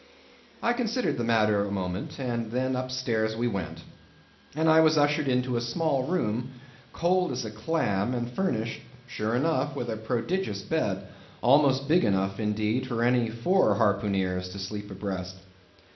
I considered the matter a moment, and then up stairs we went, and I was ushered into a small room, cold as a clam, and furnished, sure enough, with a prodigious bed, almost big enough indeed for any four harpooneers to sleep abreast.